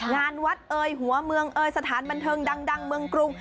งานวัดเอ่ยหัวเมืองเอยสถานบันเทิงดังเมืองกรุง